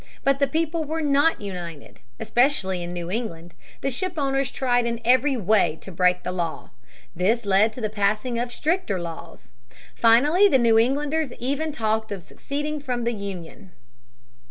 But the people were not united. Especially in New England, the shipowners tried in every way to break the law. This led to the passing of stricter laws. Finally the New Englanders even talked of seceding from the Union.